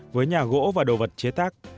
với nhà gỗ và đồ vật chế tác